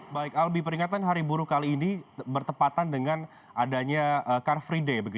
baik albi peringatan hari buruh kali ini bertepatan dengan adanya car free day